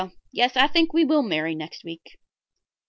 Yes, I think we will marry next week."